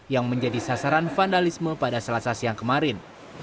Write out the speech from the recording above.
yang menjadi sasaran vandalisme pada selasa siang kemarin